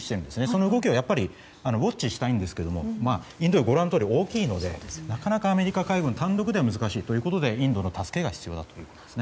その動きをウォッチしたいんですがインド洋は大きいのでなかなかアメリカ海軍単独では難しいということでインドの助けが必要だと。